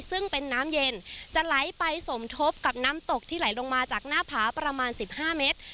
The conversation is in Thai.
ซึ่งเป็นน้ำเย็นจะไหลไปสมทบกับน้ำตกที่ไหลลงมาจากหน้าผาประมาณ๑๕เมตร